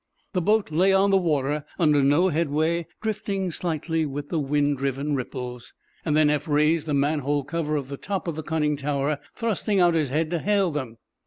The boat lay on the water, under no headway, drifting slightly with the wind driven ripples. Then Eph raised the man hole cover of the top of the conning tower, thrusting out his head to hail them.